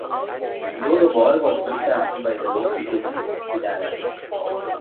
Though the boy was looked after by the local people, he died.